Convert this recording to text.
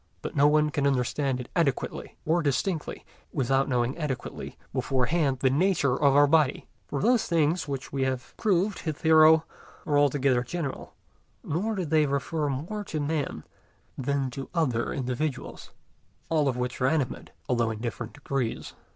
But no one can understand it adequately or distinctly without knowing adequately beforehand the nature of our body; for those things which we have proved hitherto are altogether general, nor do they refer more to man than to other individuals, all of which are animate, although in different degrees.